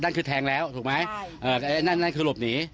อ๋อนั่นคือแทงแล้วถูกไหมนั่นคือหลบหนี